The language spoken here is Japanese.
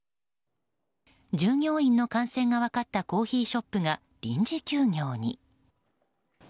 従業員の感染が分かったコーヒーショップが臨時休業に。